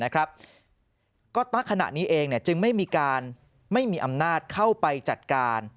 ก็ณขณะนี้เองจึงไม่มีการไม่มีอำนาจเข้าไปจัดการ